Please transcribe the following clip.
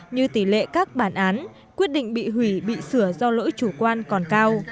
như tỷ lệ các bản án quyết định bị hủy bị sửa do lỗi chủ quan còn cao